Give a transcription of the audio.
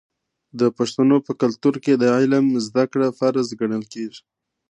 د پښتنو په کلتور کې د علم زده کړه فرض ګڼل کیږي.